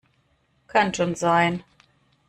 Kann schon sein.